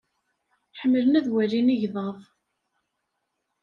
Ḥemmlen ad walin igḍaḍ.